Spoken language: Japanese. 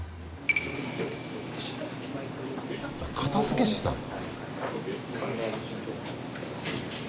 片付けしてたんだ。